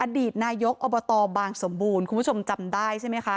อดีตนายกอบตบางสมบูรณ์คุณผู้ชมจำได้ใช่ไหมคะ